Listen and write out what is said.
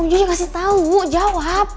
om jojo kasih tahu jawab